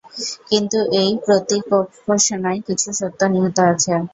কিন্তু এই প্রতীকোপাসনায় কিছু সত্য নিহিত আছে।